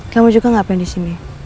kamu juga ngapain disini